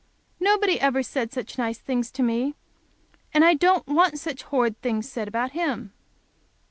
Nobody ever said such nice things to me. And I don't want such horrid things said about him."